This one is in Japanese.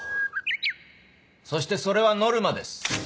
そしてそれはノルマです。